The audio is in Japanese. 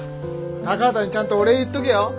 高畑にちゃんとお礼言っとけよ。